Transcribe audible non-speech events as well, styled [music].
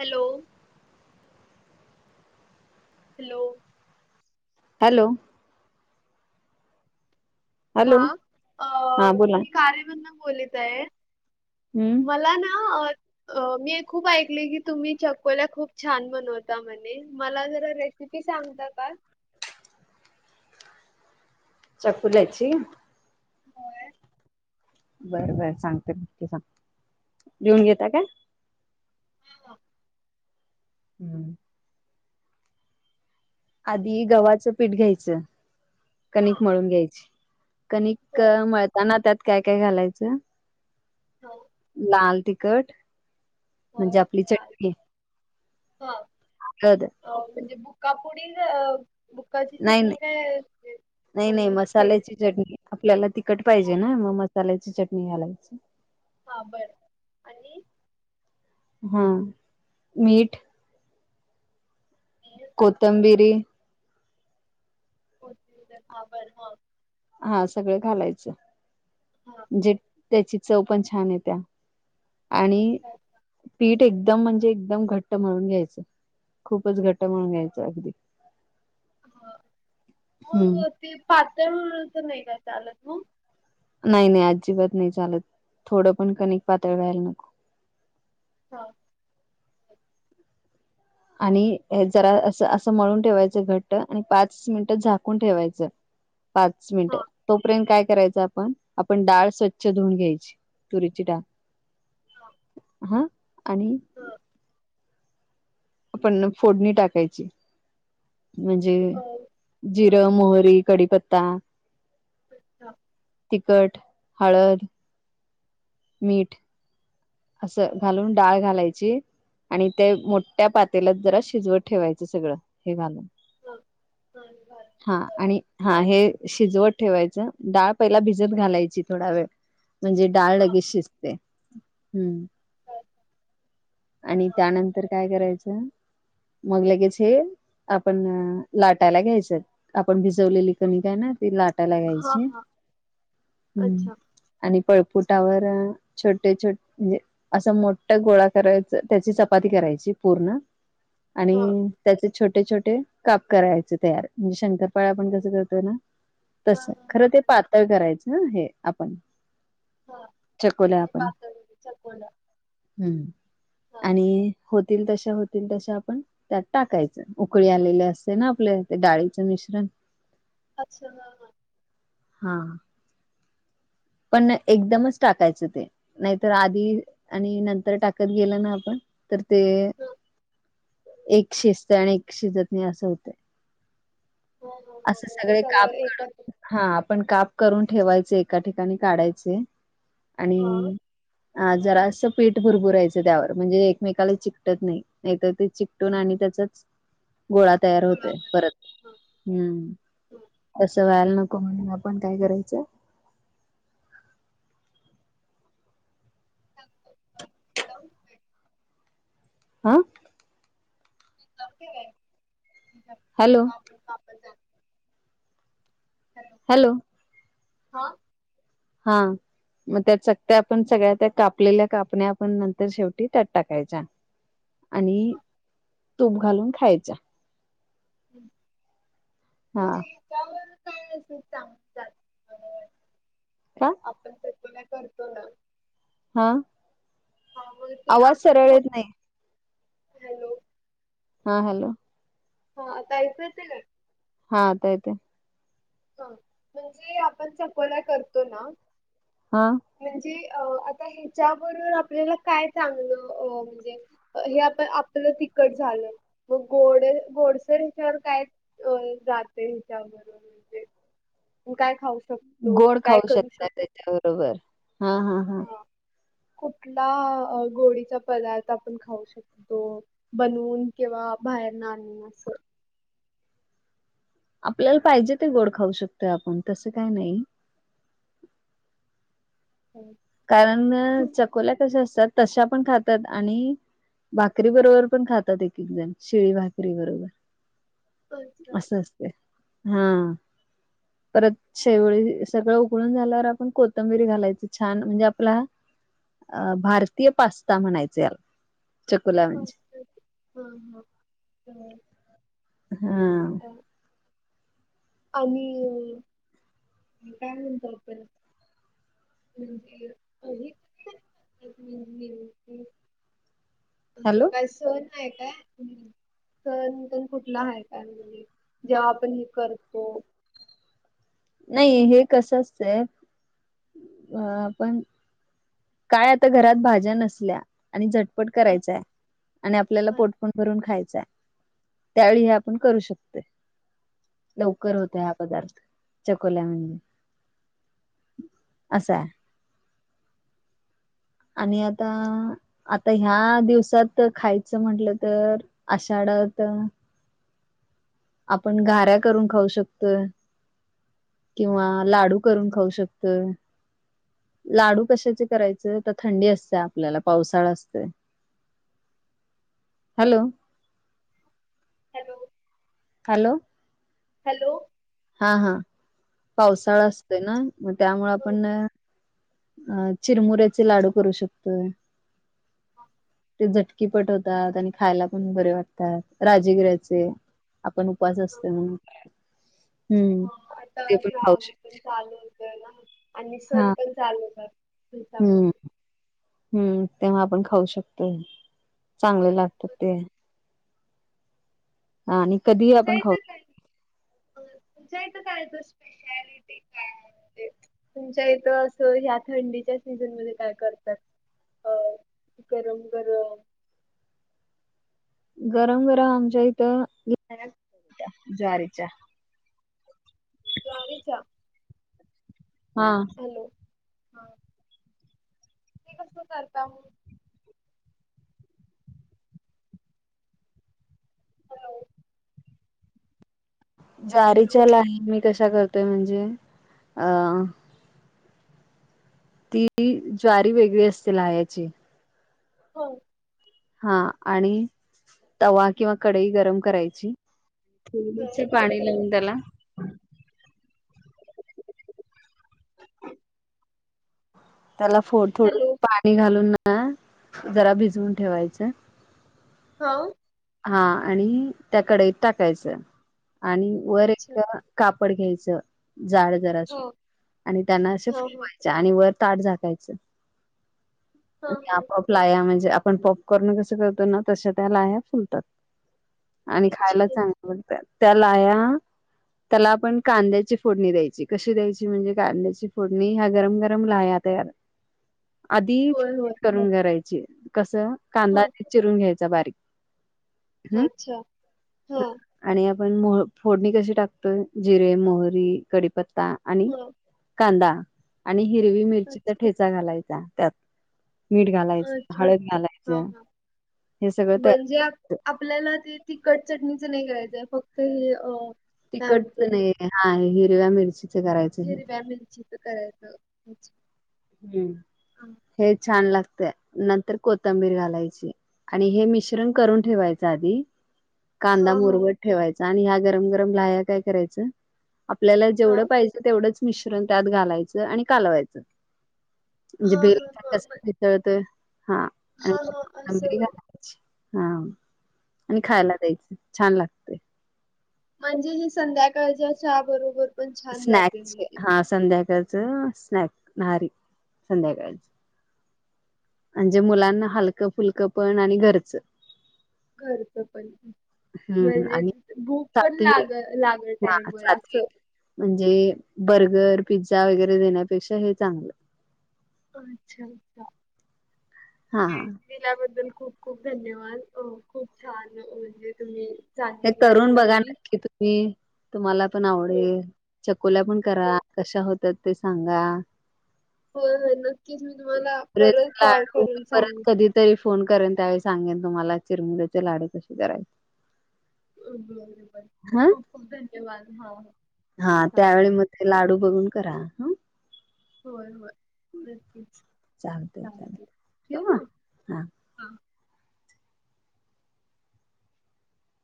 Hello. Hello. Hello. Hello हा हा बोला मी कारेमना बोलत आहे. हम्म मला ना. अ मी खूप ऐकले की तुम्ही चकोला खूप छान बनवता म्हणे मला जरा रेस्ट. िपी सांगत का. चकू जायची. हो. बरं बर सांगते नक्की सांग लिऊन घता का. हा ह. हम्म. आधी गव्हाचं पीठ घ्यायचं हा कणिक मळून घ्यायची. कणिक होय म्हळताना त्यात काय काय घालायचं. हो. लाल तिकट. हो ला ह. हद. हो म्हणजे बुका पुुढील. बुकाची नाही चटणी नाही काय नाही नाही मिक्स केली मसाल्याची ना. चटणी आपल्याला तखट पाहिजे ना मग मसाल्याची चटणी घालायची. हा बरं आणि. हा मीठ. कोतंबिरी. हो हा बर हा. हा सगळं घालायचं. हां. े त्याची चव पण छान आहे त्या आणि. अच्छा एकदम म्हणजे एकदम घट्ट म्हणून घ्यायचं खूपच घट्ट म्हणून घ्यायच अगदी. ह हम्म. मग ते पातळ तर नाही का चालत मग. नाही नाही अजिबात नाही चालत थोडं पण कनिक पातळ व्हायला नको. ह. आणि हे जरा असं असं मळून ठेवायचं घट्ट आणि पाच मिनिट झाकून ठेवायच. ह. पाच मिनिट. तोपर्यंत काय करायचं आपण आपण डाळ स्वच्छ धुवून घ्यायची तुरीची डाळ. हा. हा आणि. आपण फोडणी टाकायची. म्हणजे हा हा अ जिरं मोहरी कडीीपत्ता. अच्छा. तिखट हळद. मीठ. असं घालून डाळ घालायची. आणि ते मोठ्या पातेल्यात जरा शिजवत ठेवायचं सगळं. हे घालून हा आणि हा हे शिजवत ठेवायचं डाळ पहिला भिजत घालायची थोडा वेळ म्हणजे डाळ लगेच शिजते. हम्म आणि त्यानंतर काय करायचं? मग लागेच हे आपण लाटायला घ्यायच आपण भिजवलेली कणी काय ना ती लाट टयला घायचे हा हम्म अच्छा आणि पळफुटावर छोटे छोटे म्हणजे असं मोठा गोळा करायचा त्याची चपाती करायची पूर्ण आणि हा त्याचे छोटे छोटे काप करायचे तयार म्हणजे शंखपाळ आपण कसं करतोय ना. हा तस हा हा खरं ते पातळ करायचं हे आपण हा चकोल्या हे पातळ चकोड हम् आणि होतील तशा, होतील तशा आपण त्यात टाकायचं उकळी आलेले असते ना आपले ते डाळीचं मिश्रण अच्छा ह ह! हा पण एकदमच टाकायचं ते नाहीतर आधी आणि नंतर टाकत गेल ना आपण तर ते ह एक शिस्त आणि एक शिजत नाही असं होतं. ह ह ह म्हणजे काप सगळं एकत्र हा आपण काप करून ठेवायचे एका ठिकाणी काढायचे हा आणि ह जरा असं पीठ भरभूराहायचं त्यावर म्हणजे एकमेकाला चिकटत नाही नाहीतर ते चिक आणि त्याचच गोळा तयार होत गोळा परत बनतो. हम्म व्हायला नको म्हणून आपण काय करायचं च हा ह आगतेय हॅलो आपण पाप हॅलो हॅलो हा हा मग त्या चकत आपण सगळ्या त्या कापलेल्या कापण्या आपण नंतर शेवटी त्यात टाकायच्या. आणि तूप घालून खायचा. हा म्हणजे त्यावर काय अस चांग म्ह का आपण तर तुला करतो ना? हा हा मग ते आवाज आपण सरळ येत फक्त नाही हॅलो.. हा हॅलो. हा आतायचं येत का? हा आता येतोय. हा म्हणजे आपण चकुल्या करतो ना? हा म्हणजे अ आता ह्याच्याबरोबर आपल्याला काय चांगलं अ म्हणजे? हे आपण आपलं तिकट झालं म गोड गोडसर ह्याच्यावर काय अ जाते हच्याबरोबर तू काय खाऊ शकतो गोड काय खाऊ करू शकत शकतो त्याच्याबरोबर हा हा हा कुठला गोळीचा पदार्थ आपण खाऊ शकतो बनवून किंवा बाहेर न आणणे असं आपल्याला पाहिजे ते गोड खाऊ शकतो आपण तसं काय नाही. हो कारण चकोल्या कश्या असतात तशा पण खातात आणि भाकरी बरोबर पण खातात एक-एक जण शिळी भाकरी बरोबर अच्छा असं असते हा परत [inaudible] सगळं उकळून झाल्यावर आपण कोथंबीरी घालायची. छान म्हणजे आपला अं भारतीय पास्ता म्हणायच या चकुला अच्छा. हा हा. तर, [inaudible] हं अ आणि काय म्हणतो आपण म्हणजे [unintelligible] अस हॅलो काय? सहण आहे काय? सण पण कुठला आहे? काय? म्हणजे जेव्हा आपण हे करतो. नाही हे कस असत आपण काय आता घरात भाज्या नसल्या आणि झटपट करायचा आणि आपल्याला पोटपण भरून खायचा. त्यावेळी हे आपण करू शकतो. लवकर होत हा पदार्थ. चकोल्या [unintelligible] असाय. आणि आता आता ह्या दिवसात खायचं म्हटलं तर आषाढ येतोय. आपण घाऱ्या करून खाऊ शकतोय. किंवा लाडू करून खाऊ शकतोय. लाडू कशाचे करायचे तर थंडी असते. आपल्याला पावसाळा असतो. हॅलो हॅलो हॅलो हॅलो हा हा पावसाळा असतोय ना मग त्यामुळे आपण अं चिरमुऱ्याचे लाडू करू शकतोय. ते झटकीपट होतात आणि खायला पण बरे वाटतात राजगिऱ्याचे आपण उपास असतो म्हणून हम्म हो आता ते पण खाऊ [unintelligible] शकतो पण चालू होतोय ना आणि सण हा पण [unintelligible] हम्म मुळे हम्म तेव्हा आपण खाऊ शकतोय चांगले लागतात ते हा आणि कधी [inaudible] तुमच्या इथ असं ह्या थंडीच्या सीझन मध्ये काय करतात? अ गरम गरम गरम गरम आमच्या इथं ज्वारीच्या ज्वारीच्या हा हॅलो हा कस करता मग हॅलो हॅलो ज्वारीच्याला आ मी कशा करतोय म्हणजे अं ती ज्वारी वेगळी असते लाह्याची हो हा आणि तवा किंवा कडई गरम करायची हो [unintelligible] पाणी लावून त्याला त्याला थोडं-थोडं हॅलो पाणी घालून ना जरा भिजवून ठेवायचं. हा हा आणि त्या कडईत टाकायचं आणि वर अच्छा एक कापड घ्यायचं जाड जर अस हा आणि त्यांना असे हा हा फुवायच. आणि वर ताट झाकायचं हा आणि आपआप लाया म्हणजे आपण पॉपकॉर्न कस करतो ना तश त्या लाया फुलतात. आणि हा खायला अच्छा चांगलंटत त्याला या त्याला आपण कांद्याची फोडणी द्यायची कशी द्यायची म्हणजे कांद्याची फोडणी ह्या गरम गरम लाया तयार [inaudible] आधी होय होय करून करायची कस हा कांदाध चिरून घ्यायचा बारीक हम्म अच्छा हा. आणि आपण मोह फोडणी कशी टाकतोय जिरे मोहरी कडीीपत्ता आणि हा कांदा आणि हिरवी मिरचीचा ठेचा घालायचा त्यात. मीठ घालायचं अच्छा. हळद हां, घालायचं हां. हे सगळं तयार म्हणजे आप करायचं. आपल्याला ते ति कट चटणीचं नाही करायचंय फक्त हे अ. काय तिकटच म्हणतो नाही हा हिरव्या मिरची मरी वॅमिलीची तर करायच. हम्म हे छान लागतेय. नंतर कोथंबीर घालायची आणि हे मिश्रण करून ठेवायच आधी कांदा हां. मोरबट ठेवायचा आणि ह्या गरम गरम लया काय करायचं आपल्याला जेवढं हां. पाहिजे. तेवढंच मिश्रण त्यात घालायचं आणि कालवायचं. म्हणजे हां, हां, हां. बिस म्ह भळतय हा. हां, हां. असं होय. हा आणि हां. खायला द्यायचं छान लागते. म्हणजे ही संध्याकाळच्या चहा बरोबर. स्नॅक् हा संध्याकाळचं स्नॅक नारी संध्याकाळच. म्हणजे मुलांना हलकं फुलकं पण आणि घरचं. घरचं पण हम्म म्हणजे आणि भूक पण सात्विक लाग लागल हा टाईम व सात्विक असं. म्हणजे बर्गर पिझ्झा वगैरे देण्यापेक्षा हे चांगलं. अच्छा अच्छा. हा हा दिल्याबद्दल खूप खूप धन्यवाद खूप छान म्हणजे तुम्ही? हे सांगितला तरुण बघा रेसिपी. नक्की तू मी तुम्हाला पण होय आवडेल चकोल्या पण करा कशा होतात ते सांगा. हो हो नक्कीच मी तुम्हाला परत कॉल करून सांग. तरी फोन करेन त्यावेळी सांगेन तुम्हाला चिरमुल्याचे लाडू कसे करायचे. बर बर हा खूप खूप धन्यवाद हा ह. हा त्यावेळी मग ते लाडू बघून करा. होय होय नक्कीच चालतय चालतय थांकू ठेऊ ठेवू मग ना हा हां.